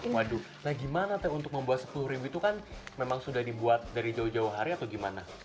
waduh nah gimana teh untuk membuat sepuluh ribu itu kan memang sudah dibuat dari jauh jauh hari atau gimana